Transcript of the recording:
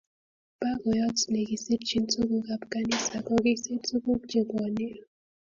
Bagoyot ne kisirchin tukuk ab kanisa kokikisir tukuk che bwone